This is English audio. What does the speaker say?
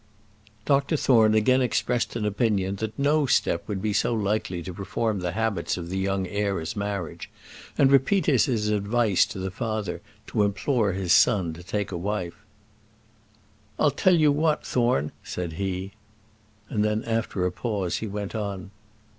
Dr Thorne again expressed an opinion that no step would be so likely to reform the habits of the young heir as marriage; and repeated his advice to the father to implore his son to take a wife. "I'll tell you what, Thorne," said he. And then, after a pause, he went on.